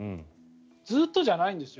ずっとじゃないんですよ。